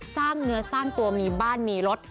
สร้างเนื้อสร้างตัวมีบ้านมีรถ